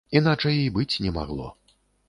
Іначай і быць не магло.